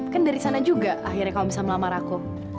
kan dari sana juga akhirnya kalau bisa melamar aku